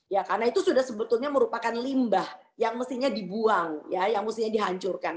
ya karena itu sudah sebetulnya merupakan limbah yang mestinya dibuang ya yang mestinya dihancurkan